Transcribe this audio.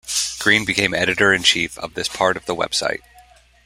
Green became editor-in-chief of this part of the website.